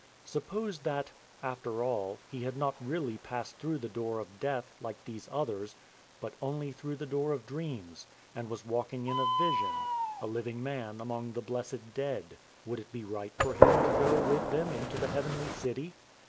Suppose that, after all, he had not really passed through the door of death, like these others, but only through the door of dreams, and was walking in a vision, a living man among the blessed dead. Would it be right for him to go with them into the heavenly city?